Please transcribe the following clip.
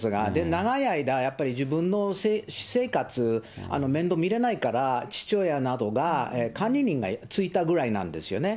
長い間、やっぱり自分の私生活、面倒見れないから、父親などが管理人がついたぐらいなんですよね。